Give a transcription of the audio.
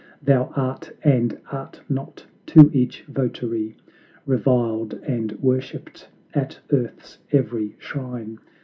Thou art, and art not to each votary; Reviled and worshiped at earth's every shrine!